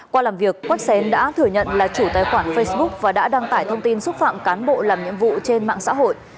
qua làm việc quất xén đã thừa nhận là chủ tài khoản facebook và đã đăng tải thông tin xúc phạm cán bộ làm nhiệm vụ trên mạng xã hội